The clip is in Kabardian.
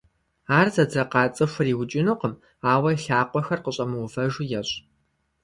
Ар зэдзэкъа цIыхур иукIынукъым, ауэ и лъакъуэхэр къыщIэмыувэжу ещI.